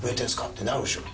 ってなるでしょ。